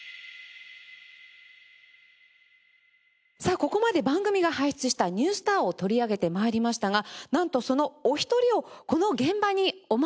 さあここまで番組が輩出したニュースターを取り上げて参りましたがなんとそのお一人をこの現場にお招き致しました。